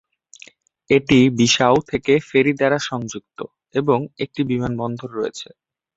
এটি বিসাউ থেকে ফেরি দ্বারা সংযুক্ত এবং একটি বিমানবন্দর রয়েছে।